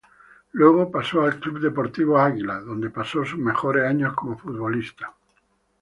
Luego pasó al Club Deportivo Águila donde pasó sus mejores años como futbolista.